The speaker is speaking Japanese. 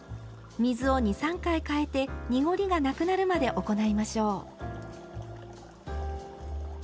水を２３回かえて濁りがなくなるまで行いましょう。